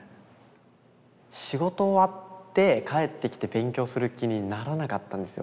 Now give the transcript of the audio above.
仕事終わって帰ってきて勉強する気にならなかったんですよ。